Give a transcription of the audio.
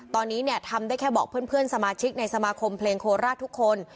ตอนนี้เนี่ยทำได้แค่บอกเพื่อนสมาชิกในสมาคมเพลงโคราชทุกคน